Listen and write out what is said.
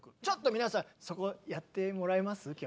ちょっと皆さんそこやってもらえます？